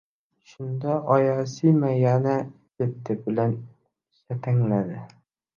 Shunda Oyasima yana keti bilan shatangladi